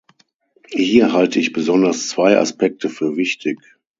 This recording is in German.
Hier halte ich besonders zwei Aspekte für wichtig.